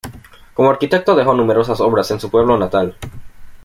Como arquitecto dejó numerosas obras en su pueblo natal.